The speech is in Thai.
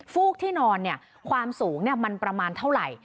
ฟูกที่นอนความสูงมันประมาณเท่าไหร่